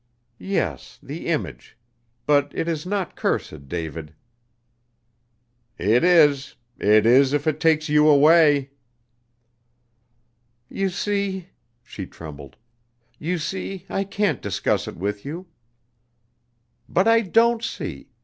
"Yes, the image. But it is not cursed, David." "It is it is if it takes you away." "You see," she trembled, "you see, I can't discuss it with you." "But I don't see.